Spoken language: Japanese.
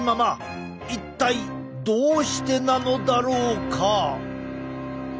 一体どうしてなのだろうか？